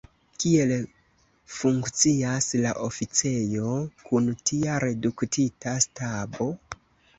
Kiel funkcias la oficejo kun tia reduktita stabo?